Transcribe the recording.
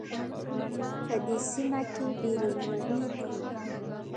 په دې سیمه کې ډېري میوې دي